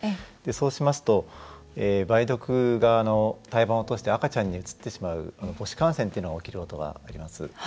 そうしますと梅毒が胎盤を通して赤ちゃんにうつってしまう母子感染っていうのが起きることがあります。